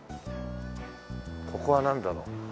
ここはなんだろう？